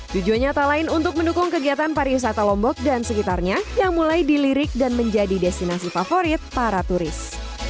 tujuannya tak lain untuk mendukung kegiatan pariwisata lombok dan sekitarnya yang mulai dilirik dan menjadi destinasi favorit para turis